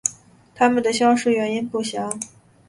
它们消失的原因不详。